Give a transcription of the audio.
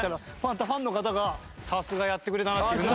またファンの方がさすがやってくれたなって。